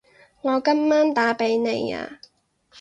我今晚打畀你吖